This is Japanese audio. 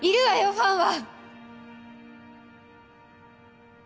ファンは。